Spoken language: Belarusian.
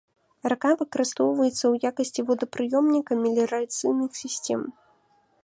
Рака выкарыстоўваецца ў якасці водапрыёмніка меліярацыйных сістэм.